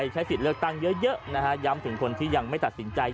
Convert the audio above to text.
ใช้สิทธิ์เลือกตั้งเยอะนะฮะย้ำถึงคนที่ยังไม่ตัดสินใจ